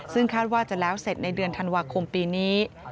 ซึ่งคาดว่าจะแล้วเสร็จในเดือนธันวาคมปีนี้